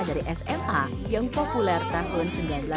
dari sma yang populer tahun seribu sembilan ratus delapan puluh